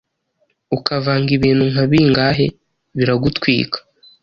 ukavanga ibintu nka bingahe, biragutwika